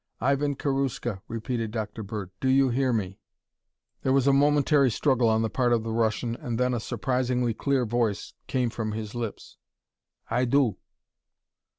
"Ivan Karuska," repeated Dr. Bird, "do you hear me?" There was a momentary struggle on the part of the Russian and then a surprisingly clear voice came from his lips. "I do."